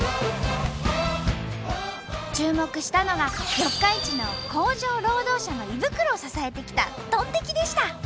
注目したのが四日市の工場労働者の胃袋を支えてきたトンテキでした。